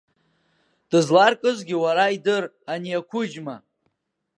Дызларкызгьы уара идыр ани ақәыџьма.